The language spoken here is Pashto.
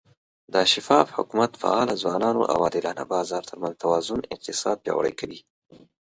د شفاف حکومت، فعاله ځوانانو، او عادلانه بازار ترمنځ توازن اقتصاد پیاوړی کوي.